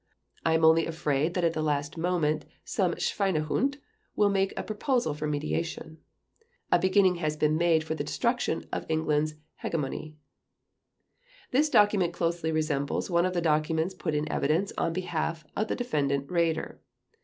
. I am only afraid that at the last moment some Schweinehund will make a proposal for mediation .... A beginning has been made for the destruction of England's hegemony." This document closely resembles one of the documents put in evidence on behalf of the Defendant Raeder.